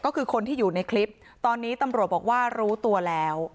ก็คือคนที่อยู่ในคลิปตอนนี้ตำรวจบอกว่ารู้ตัวแล้ว